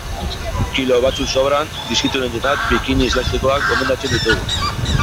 Kilo batzuk sobran dituztenentzat bikini elastikoak gomendatzen ditugu.